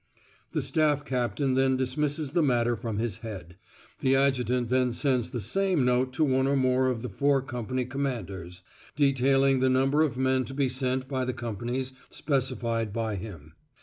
The Staff Captain then dismisses the matter from his head. The Adjutant then sends the same note to one or more of the four company commanders, detailing the number of men to be sent by the companies specified by him.